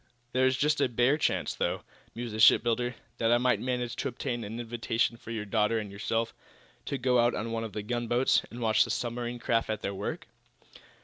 "There is just a bare chance, though," mused the shipbuilder, "that I might manage to obtain an invitation for your daughter and yourself to go out on one of the gunboats, and watch the submarine craft at their work."